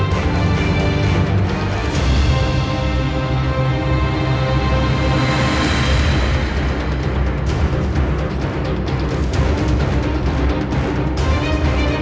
ขอบคุณครับคุณพี่